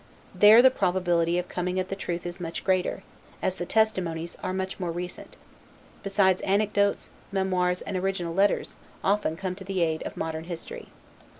There the probability of coming at the truth is much greater, as the testimonies are much more recent; besides, anecdotes, memoirs, and original letters, often come to the aid of modern history.